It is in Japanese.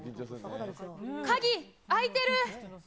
鍵開いてる。